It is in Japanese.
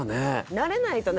慣れないとね